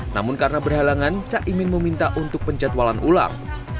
namun karena berhalangan cak imin meminta untuk penjatualan ulang